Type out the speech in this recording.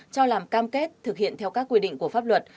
cho làm cam kết thực hiện theo các quy định của pháp luật